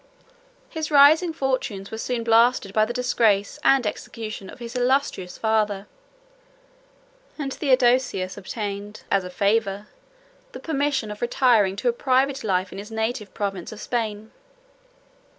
110 His rising fortunes were soon blasted by the disgrace and execution of his illustrious father; and Theodosius obtained, as a favor, the permission of retiring to a private life in his native province of Spain.